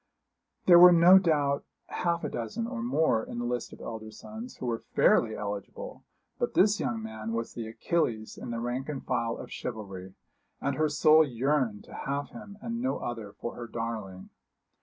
There were no doubt half a dozen, or more, in the list of elder sons, who were fairly eligible. But this young man was the Achilles in the rank and file of chivalry, and her soul yearned to have him and no other for her darling.